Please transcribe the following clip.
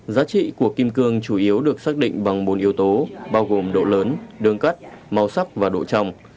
giá trị của kim cương chủ yếu được xác định bằng bốn yếu tố bao gồm độ lớn đường cắt màu sắc và độ trồng